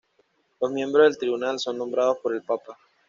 Los miembros del tribunal son nombrados por el papa.